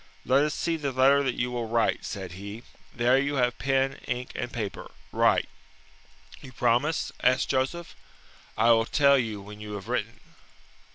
"Let us see the letter that you will write," said he. "There you have pen, ink, and paper. Write." "You promise?" asked Joseph. "I will tell you when you have written."